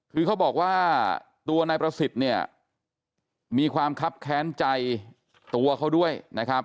คือเขาบอกว่าตัวนายประสิทธิ์เนี่ยมีความคับแค้นใจตัวเขาด้วยนะครับ